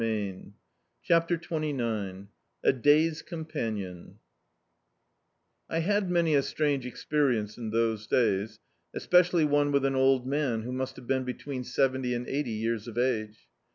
db, Google CHAPTER XXIX A day's companion 1HAD many a strange experience in tbose days, especially one with an old man, who must have been between seventy and ei^ty years of age.